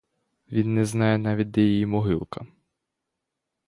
Він не знає навіть, де її могилка.